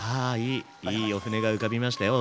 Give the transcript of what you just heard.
いいお舟が浮かびましたよ